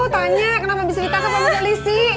tanya kenapa bisa ditangkap sama pak lisi